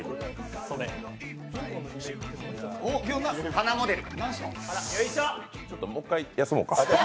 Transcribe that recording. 鼻モデル。